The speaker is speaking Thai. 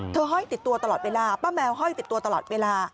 ห้อยติดตัวตลอดเวลาป้าแมวห้อยติดตัวตลอดเวลา